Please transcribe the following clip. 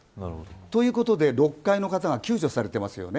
ということで６階の方が救助されてますね。